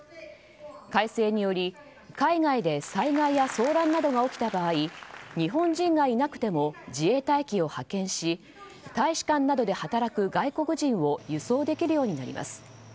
改正により、海外で災害や騒乱などが起きた場合日本人がいなくても自衛隊機を派遣し大使館などで働く外国人を輸送できるようになります。